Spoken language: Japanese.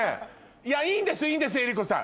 いやいいんですいいんです江里子さん。